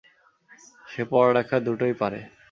সে পড়ালেখা দুটোই পারে।